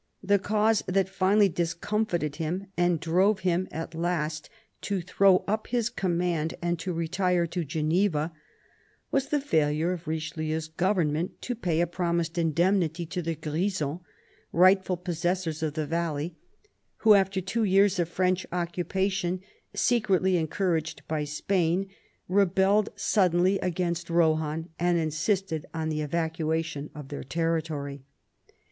The cause that finally discomfited him and drove him at last to throw up his command and to retire to Geneva was the failure of Richelieu's government to pay a promised indemnity to the Grisons, rightful possessors of the valley, who after two years' French occupation, secretly encouraged by Spain, rebelled suddenly against Rohan and insisted on the evacuation of their territory.